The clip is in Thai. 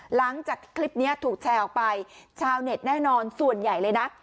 หลังจากคลิปนี้ถูกแชร์ออกไปชาวเน็ตแน่นอนส่วนใหญ่เลยนะ